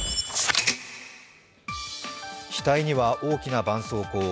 額には大きなばんそうこう。